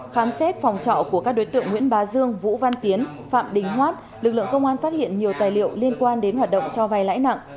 khám xét phòng trọ của các đối tượng nguyễn bá dương vũ văn tiến phạm đình hoát lực lượng công an phát hiện nhiều tài liệu liên quan đến hoạt động cho vay lãi nặng